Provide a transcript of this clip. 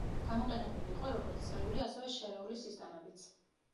გამოყენებული იყო როგორც წრიული, ასევე შერეული სისტემებიც.